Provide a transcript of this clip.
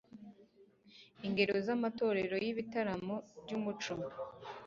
ingero z'amatorero y'ibitaramo by'umuco